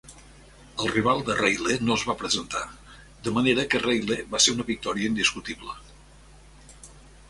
El rival de Reile no es va presentar, de manera que Reile va ser una victòria indiscutible.